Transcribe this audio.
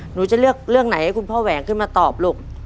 หนูจะเลือกเรื่องไหนให้คุณพ่อแหวงขึ้นมาตอบลูก